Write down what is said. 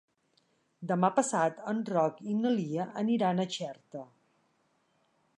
Demà passat en Roc i na Lia aniran a Xerta.